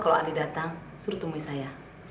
kalau adik datang suruh temui saya